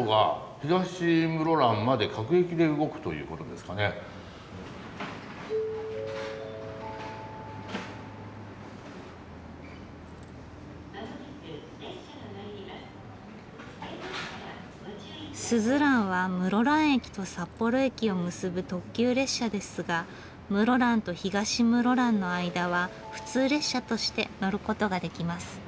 でこれは。ってことはこれはすずらんは室蘭駅と札幌駅を結ぶ特急列車ですが室蘭と東室蘭の間は普通列車として乗ることができます。